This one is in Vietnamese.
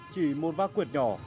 chỉ một vác quyệt nhỏ